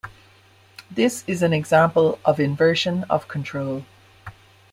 This is an example of inversion of control.